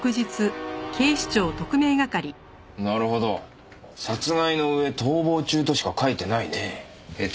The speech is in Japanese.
なるほど「殺害の上逃亡中」としか書いてないねえ。